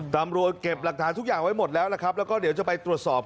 ตำรวจเก็บหลักฐานทุกอย่างไว้หมดแล้วล่ะครับแล้วก็เดี๋ยวจะไปตรวจสอบ